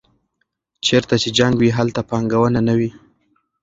چېرته چې جنګ وي هلته پانګونه نه وي.